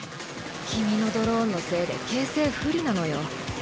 君のドローンのせいで形勢不利なのよ